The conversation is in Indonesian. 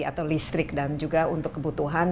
atau listrik dan juga untuk kebutuhan